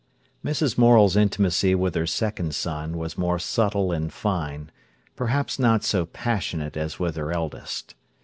Mrs. Morel's intimacy with her second son was more subtle and fine, perhaps not so passionate as with her eldest.